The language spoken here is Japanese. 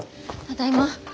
ただいま。